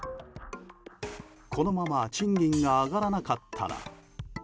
このまま賃金が上がらなかったら。